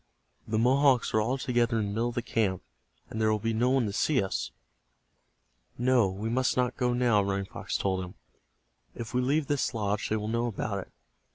"The Mohawks are all together in the middle of the camp, and there will be no one to see us." "No, we must not go now," Running Fox told him. "If we leave this lodge they will know about It.